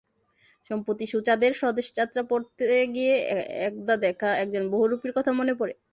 সম্প্রতি সুচাঁদের স্বদেশ যাত্রা পড়তে গিয়ে একদা দেখা একজন বহুরূপীর কথা মনে পড়ে।